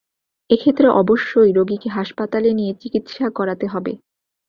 এক্ষেত্রে অবশ্যই রোগীকে হাসপাতালে নিয়ে চিকিৎসা করাতে হবে।